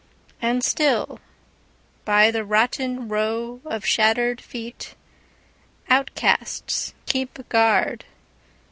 And still by the rottenRow of shattered feet, Outcasts keep guard.